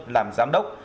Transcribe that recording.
làm giám đốc